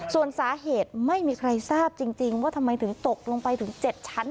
ส่วนสาเหตุไม่มีใครทราบจริงว่าทำไมถึงตกลงไปถึง๗ชั้น